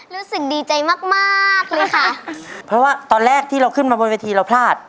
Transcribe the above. รู้สึกดีใจมากมากมากเลยค่ะเพราะว่าตอนแรกที่เราขึ้นมาบนเวทีเราพลาด